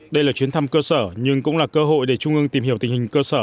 đây là chuyến thăm cơ sở nhưng cũng là cơ hội để trung ương tìm hiểu tình hình cơ sở